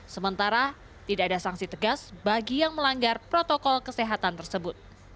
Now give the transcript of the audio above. sementara tidak ada sanksi tegas bagi yang melanggar protokol kesehatan tersebut